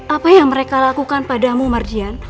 apa yang mereka lakukan padamu marjian